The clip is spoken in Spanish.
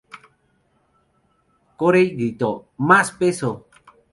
Corey gritó: "¡Más peso!